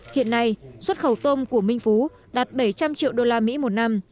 hiện nay xuất khẩu tôm của minh phú đạt bảy trăm linh triệu đô la mỹ một năm